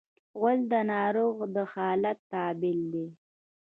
غول د ناروغ د حالت تابل دی.